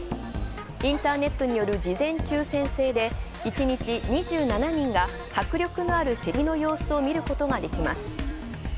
インターネットによる事前抽選制で１日２７人が迫力があるせりの様子を見ることができます。